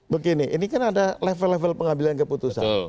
begini ini kan ada level level pengambilan keputusan